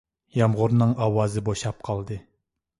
يامغۇرنىڭ ئاۋازى بوشاپ قالدى.